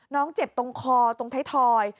น้องเจ็บตรงคอตรงไทยทอย